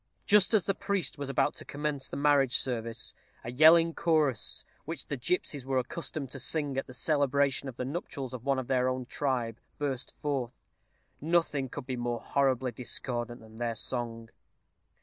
Just as the priest was about to commence the marriage service, a yelling chorus, which the gipsies were accustomed to sing at the celebration of the nuptials of one of their own tribe, burst forth. Nothing could be more horribly discordant than their song.